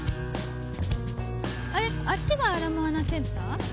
あれ、あっちがアラモアナセンター？